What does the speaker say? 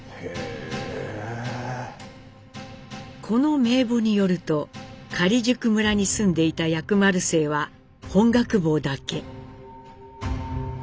この名簿によると假宿村に住んでいた薬丸姓は本覚坊だけ。